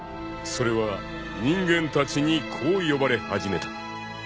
［それは人間たちにこう呼ばれ始めた］